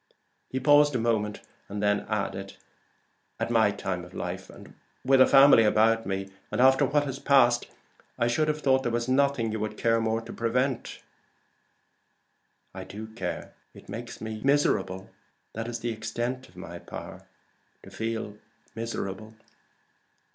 Jermyn paused a moment, and then added, "At my time of life and with a family about me and after what has passed I should have thought there was nothing you would care more to prevent." "I do care. It makes me miserable. That is the extent of my power to feel miserable."